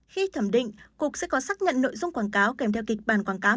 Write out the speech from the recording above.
khi thẩm định cục sẽ có xác nhận nội dung quảng cáo kèm theo kịch bản quảng cáo